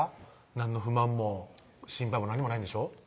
何の不満も心配も何もないんでしょ？